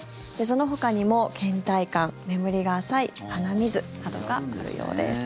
そのほかにもけん怠感、眠りが浅い鼻水などがあるようです。